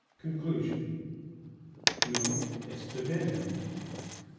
CONCLUSION Nunc est bibendum.